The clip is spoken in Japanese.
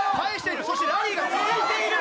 そしてラリーが続いている。